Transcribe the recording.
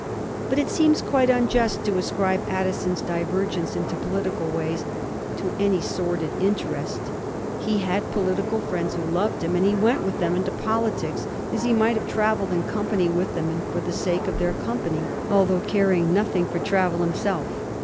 But it seems quite unjust to ascribe Addison's divergence into political ways to any sordid in terest. He had political friends who loved him, and he went with them into politics as he might have travelled in company with them, and for the sake of their company, although caring nothing for travel himself.